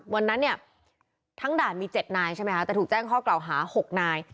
วันนั้นเนี่ยทั้งด่านมี๗นายใช่ไหมคะแต่ถูกแจ้งข้อกล่าวหา๖นาย